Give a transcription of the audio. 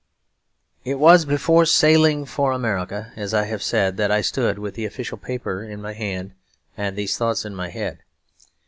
It was before sailing for America, as I have said, that I stood with the official paper in my hand and these thoughts in my head.